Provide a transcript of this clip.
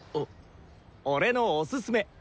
俺のおすすめ！